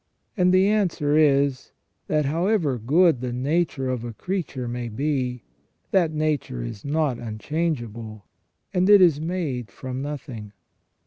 And the answer is, that however good the nature of a creature may be, that nature is not unchangeable, and it is made from nothing."